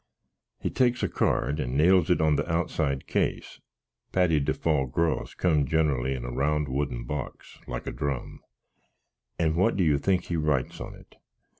He takes a card, and nails it on the outside case (patty defaw graws come generally in a round wooden box, like a drumb); and what do you think he writes on it?